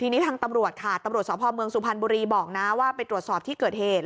ทีนี้ทางตำรวจค่ะตำรวจสพเมืองสุพรรณบุรีบอกนะว่าไปตรวจสอบที่เกิดเหตุ